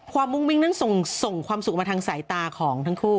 มุ้งมิ้งนั้นส่งความสุขมาทางสายตาของทั้งคู่